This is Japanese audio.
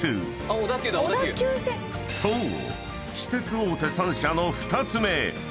私鉄大手３社の２つ目］